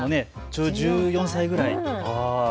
ちょうど１４歳くらい。